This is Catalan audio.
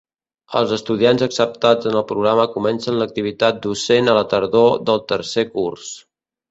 Els estudiants acceptats en el programa comencen l'activitat docent a la tardor del tercer curs.